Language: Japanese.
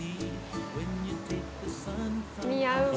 似合うわ。